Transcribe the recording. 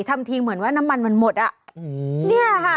ทำทีเหมือนว่าน้ำมันมันหมดนี่ค่ะ